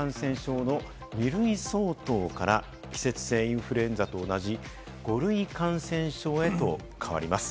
新型コロナの感染症法上の位置付けがこれまでの指定感染症の２類相当から季節性インフルエンザと同じ５類感染症へと変わります。